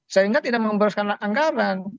sehingga tidak membebaskan anggaran